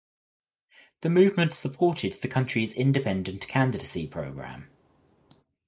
The movement supported the country’s independent candidacy programme.